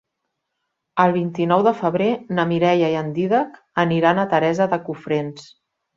El vint-i-nou de febrer na Mireia i en Dídac aniran a Teresa de Cofrents.